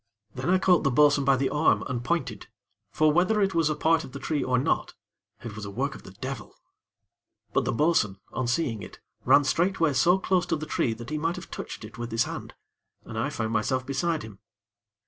Then I caught the bo'sun by the arm, and pointed; for whether it was a part of the tree or not, it was a work of the devil; but the bo'sun, on seeing it, ran straightway so close to the tree that he might have touched it with his hand, and I found myself beside him.